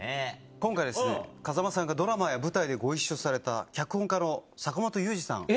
今回風間さんがドラマや舞台でご一緒された脚本家の坂元裕二さん